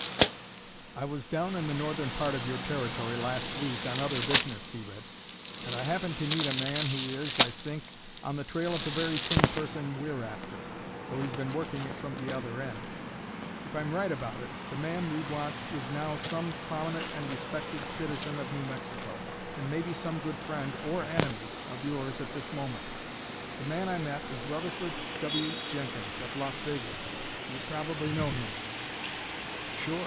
"I was down in the northern part of your Territory last week on other business," he read, "and I happened to meet a man who is, I think, on the trail of the very same person we're after, though he's been working it from the other end. If I'm right about it, the man we want is now some prominent and respected citizen of New Mexico, and maybe some good friend or enemy of yours at this moment. The man I met is Rutherford W. Jenkins, of Las Vegas. You probably know him " "Sure!